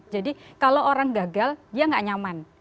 jadi kalau orang gagal dia enggak nyaman